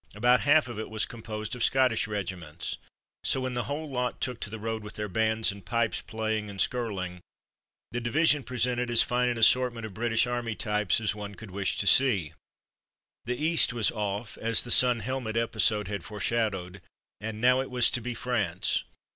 About half of it was composed of Scottish regiments, so when the whole lot took to the road with their bands and pipes playing and skirling, the division presented as fine an assortment of British Army types as one could wish to see. The East was '' off^, "' as the sun helmet episode had foreshadowed, and now it was to be France.